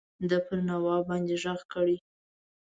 ده پر نواب باندي ږغ کړی.